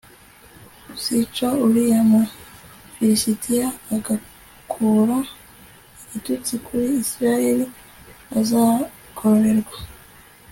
uzica uriya mu filisitiya agakura igitutsi kuri isirayeli azagororerwa